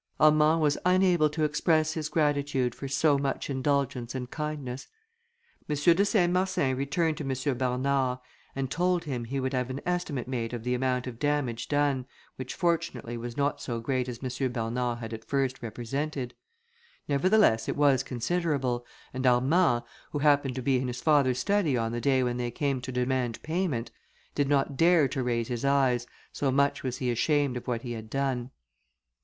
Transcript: Armand was unable to express his gratitude for so much indulgence and kindness. M. de Saint Marsin returned to M. Bernard, and told him he would have an estimate made of the amount of damage done, which fortunately was not so great as M. Bernard had at first represented. Nevertheless it was considerable, and Armand, who happened to be in his father's study on the day when they came to demand payment, did not dare to raise his eyes, so much was he ashamed of what he had done.